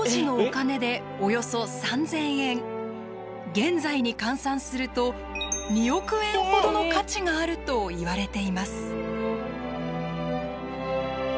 現在に換算すると２億円ほどの価値があるといわれています。